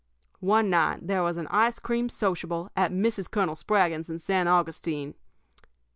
"One night there was an ice cream sociable at Mrs. Colonel Spraggins', in San Augustine.